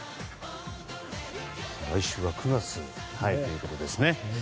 来週は９月に入るということですね。